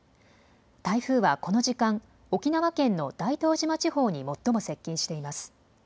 台風はこの時間、沖縄県の大東島地方に最も接近しています。